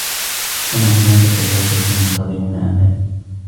كان هناك ثلاثة ينتظرون أمامي.